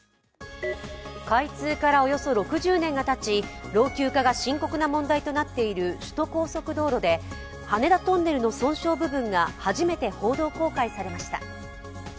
開通からおよそ６０年がたち老朽化が深刻な問題となっている首都高速道路で羽田トンネルの損傷部分が、初めて報道公開されました。